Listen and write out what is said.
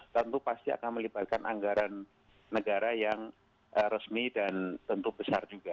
tentu pasti akan melibatkan anggaran negara yang resmi dan tentu besar juga